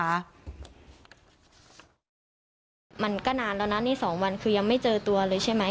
มันก็นานแล้วนะนี่๒วันคือยังไม่เจอตัวเลยใช่ไหม